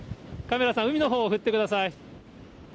カメラさん、海のほう振ってください。